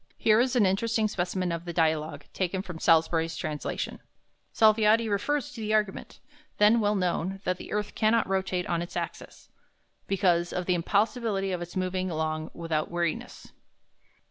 Here is an interesting specimen of the "Dialogue" taken from Salusbury's translation: Salviati refers to the argument, then well known, that the earth cannot rotate on its axis, "because of the impossibility of its moving long without wearinesse."